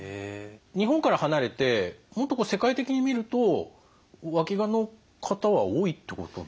日本から離れてもっと世界的に見るとわきがの方は多いってこと？